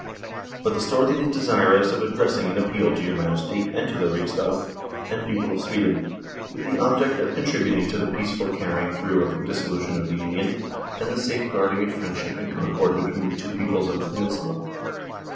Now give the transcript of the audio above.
But the Storthing is desirous of addressing an appeal to your Majesty and to the Riksdag and people of Sweden, with the object of contributing to the peaceful carrying through of the dissolution of the Union and the safeguarding of friendship and concord between the two peoples of the peninsula.